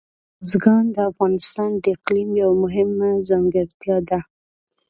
بزګان د افغانستان د اقلیم یوه مهمه ځانګړتیا ده.